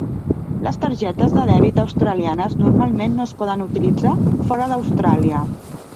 Les targetes de dèbit australianes normalment no es poden utilitzar fora d'Austràlia.